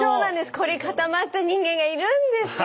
こり固まった人間がいるんですよ